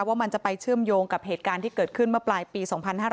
ว่ามันจะไปเชื่อมโยงกับเหตุการณ์ที่เกิดขึ้นเมื่อปลายปี๒๕๕๙